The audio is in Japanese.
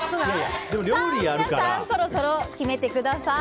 さあ皆さんそろそろ決めてください。